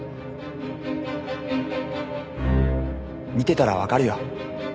見てたらわかるよ。